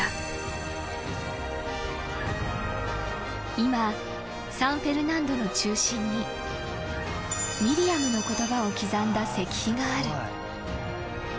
［今サンフェルナンドの中心にミリアムの言葉を刻んだ石碑がある］